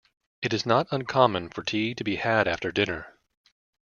It is not uncommon for tea to be had after dinner.